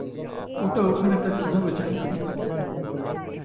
ওটা ওখানে তা কীভাবে জানলে?